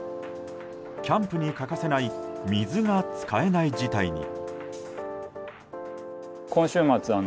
キャンプに欠かせない水が使えない事態に。